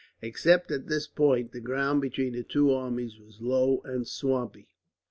Except at this point, the ground between the two armies was low and swampy.